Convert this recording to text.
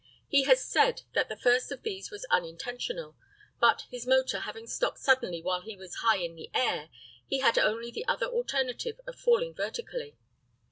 He has said that the first of these was unintentional, but his motor having stopped suddenly while he was high in the air, he had only the other alternative of falling vertically.